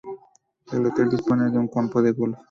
El hotel dispone de un campo de golf.